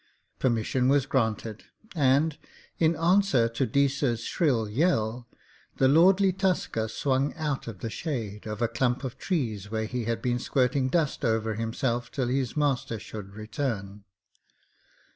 Permission was granted, and, in answer to Deesa's shrill yell, the lordly tusker swung out of the shade of a clump of trees where he had been squirting dust over himself till his master should return.